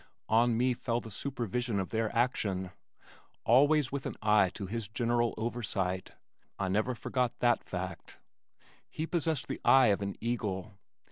On me fell the supervision of their action, always with an eye to his general oversight. I never forgot that fact. He possessed the eye of an eagle.